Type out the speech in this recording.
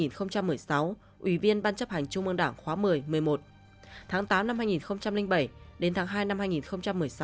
tháng tám năm hai nghìn bảy đến tháng hai năm hai nghìn một mươi sáu